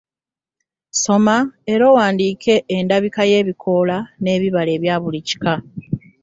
Soma era owandiike endabika y’ebikoola n’ebibala ebya buli kika.